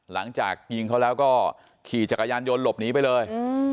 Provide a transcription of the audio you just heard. หลังจากยิงเขาแล้วก็ขี่จักรยานยนต์หลบหนีไปเลย